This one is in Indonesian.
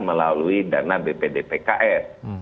melalui dana bpd pks